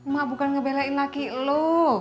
mak bukan ngebelain laki lo